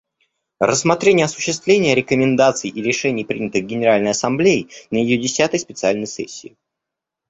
Рассмотрение осуществления рекомендаций и решений, принятых Генеральной Ассамблеей на ее десятой специальной сессии.